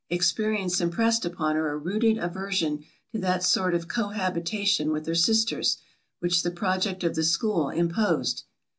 Experience impressed upon her a rooted aversion to that sort of cohabitation with her sisters, which the project of the school imposed.